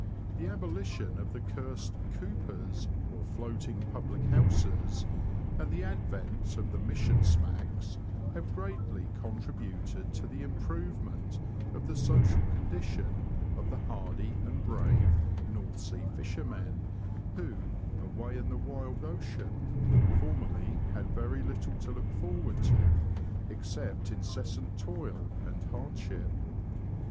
The abolition of the cursed " coopers," or floating public houses, and the advent of the mission smacks, have greatly contributed to the improvement of the social condition of the hardy and brave North Sea fishermen, who, away in the wild ocean, formerly had very little to look forward to, except incessant toil and hardship.